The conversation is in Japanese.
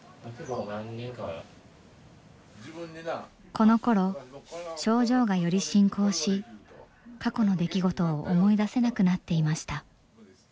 このころ症状がより進行し過去の出来事を思い出せなくなっていました。